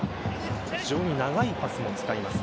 非常に長いパスも使います。